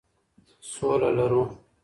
سوله لرو.